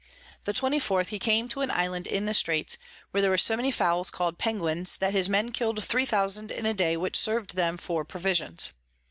The 24_th_ he came to an Island in the Straits, where there were so many Fowls call'd Penguins, that his Men kill'd 3000 in a day, which serv'd them for Provisions.